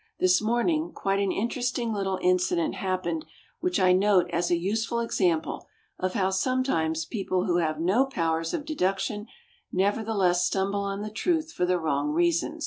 This morning quite an interesting little incident happened which I note as a useful example of how sometimes people who have no powers of deduction nevertheless stumble on the truth for the wrong reason.